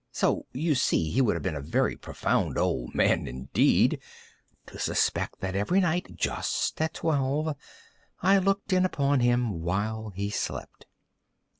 So you see he would have been a very profound old man, indeed, to suspect that every night, just at twelve, I looked in upon him while he slept.